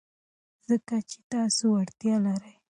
ځکه چې تاسو وړتیا لرئ.